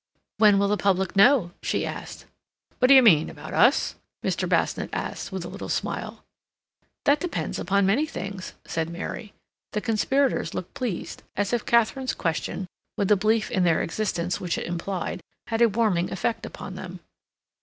"When will the public know?" she asked. "What d'you mean—about us?" Mr. Basnett asked, with a little smile. "That depends upon many things," said Mary. The conspirators looked pleased, as if Katharine's question, with the belief in their existence which it implied, had a warming effect upon them.